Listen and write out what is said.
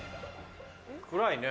暗いね。